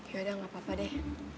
yaudah gak apa apa deh